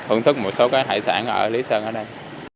hưởng thức một số cái hải sản ở lý sơn ở đây